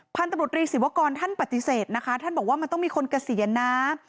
พันธุ์ตำรวจรีศิวกรท่านปฏิเสธนะคะท่านบอกว่ามันต้องมีคนเกษียณนะ